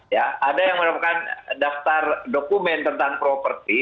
ya ada yang merupakan daftar dokumen tentang properti